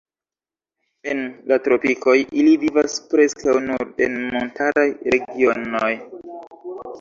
En la tropikoj ili vivas preskaŭ nur en montaraj regionoj.